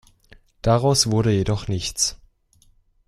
Daraus wurde jedoch nichts.